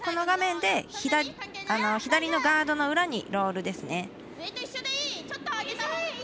画面左のガードの裏にロールですね。